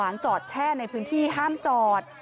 แล้วไม่ถึงเหตุเชี่ยว